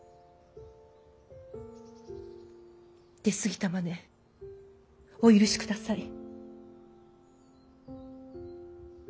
出過ぎたまねお許しください。